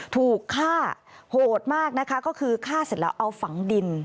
ถูกฆ่าโหดมากนะคะก็คือฆ่าเสร็จแล้วเอาฝังดิน